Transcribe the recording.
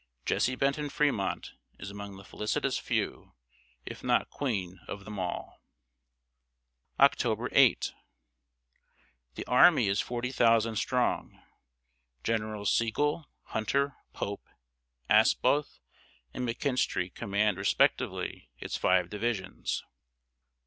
Jessie Benton Fremont is among the felicitous few, if not queen of them all. October 8. The army is forty thousand strong. Generals Sigel, Hunter, Pope, Asboth, and McKinstry command respectively its five divisions.